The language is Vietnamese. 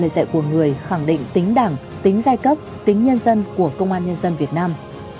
đó là cái cấp tính nhân dân của công an nhân dân việt nam